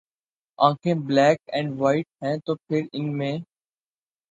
آنکھیں ’ black and white ‘ ہیں تو پھر ان میں